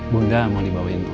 bunda mau dibawain oleh apa